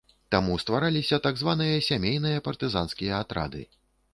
Таму ствараліся так званыя сямейныя партызанскія атрады.